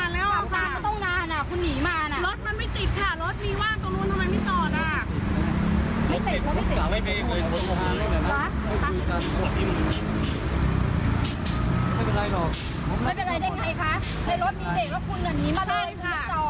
แล้วถ้าไม่วิ่งตามมาคุณจะต่อตรงไหนครับ